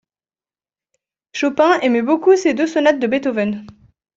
Chopin aimait beaucoup ces deux sonates de Beethoven.